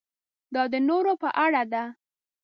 دا د نورو په اړه ده.